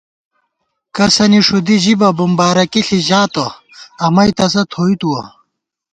کسَنی ݭُدی ژِبہ بُمبارَکی ݪی ژاتہ امئ تسہ تھوئی تُوَہ